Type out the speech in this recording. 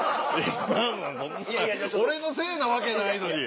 今のはそんな俺のせいなわけないのに。